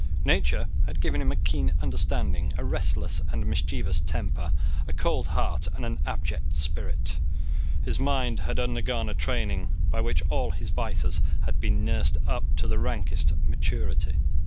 Nature had given him a keen understanding, a restless and mischievous temper, a cold heart, and an abject spirit. His mind had undergone a training by which all his vices had been nursed up to the rankest maturity.